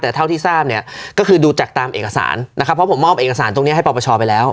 แต่เท่าที่ทราบเนี่ยก็คือดูจากตามเอกสารนะครับเพราะผมมอบเอกสารตรงนี้ให้ปรปชไปแล้ว